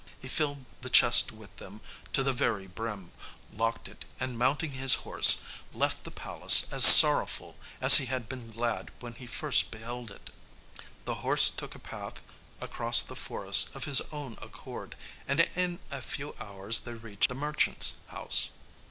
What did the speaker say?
He filled the chest with them to the very brim, locked it, and, mounting his horse, left the palace as sorrowful as he had been glad when he first beheld it. The horse took a path across the forest of his own accord, and in a few hours they reached the merchant's house.